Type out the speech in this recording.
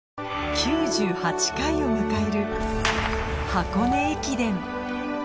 ９８回を迎える箱根駅伝